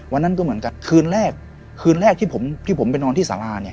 วันนั้นก็เหมือนกันคืนแรกที่ผมไปนอนที่สาราเนี่ย